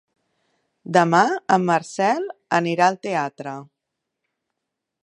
Demà en Marcel anirà al teatre.